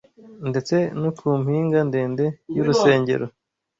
Ndetse no ku mpinga ndende y'urusengero